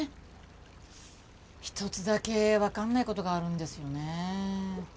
一つだけわかんない事があるんですよね。